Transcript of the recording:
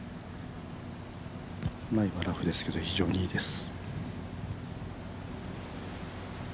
前はラフですけど、非常にいいです